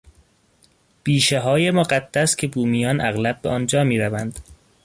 بیشههای مقدس که بومیان اغلب به آنجا میروند